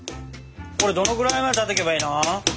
これどのぐらいまでたたけばいいの？